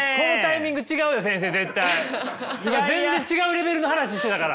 全然違うレベルの話してたから。